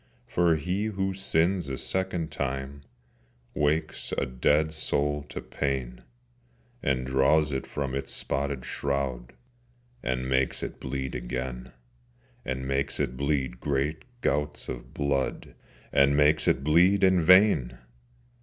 For he who sins a second time Wakes a dead soul to pain, And draws it from its spotted shroud, And makes it bleed again, And makes it bleed great gouts of blood, And makes it bleed in vain!